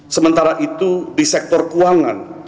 sementara itu di sektor keuangan